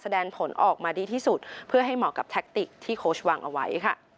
แสดงผลออกมาดีที่สุดเพื่อให้เหมาะกับแท็กติกที่โค้ชวางเอาไว้ค่ะ